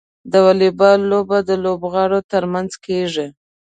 د واليبال لوبه د لوبغاړو ترمنځ کیږي.